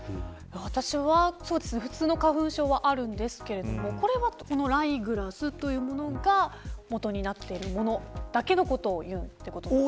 私は普通の花粉症はあるんですけれどもこれはライグラスというものが元になっているものだけのことを言ってるんですか。